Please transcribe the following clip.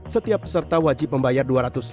setiap peserta wajib membayar